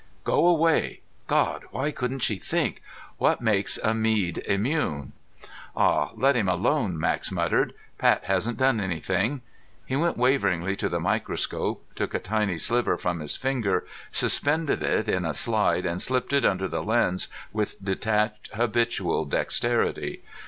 "Go away." God, why couldn't she think? What makes a Mead immune? "Aw, let 'im alone," Max muttered. "Pat hasn't done anything." He went waveringly to the microscope, took a tiny sliver from his finger, suspended it in a slide and slipped it under the lens with detached habitual dexterity.